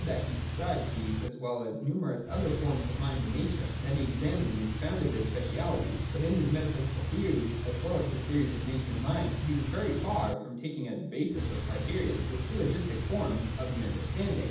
II. Y 322 THE DOCTRINE OF THE NOTION. [187, 188. he described these, as well as numerous other forms of mind and nature, and that he examined and expounded their specialities. But in his metaphysical theories, as well as his theories of nature and mind, he was very far from taking as basis, or criterion, the syllogistic forms of the 'understanding.'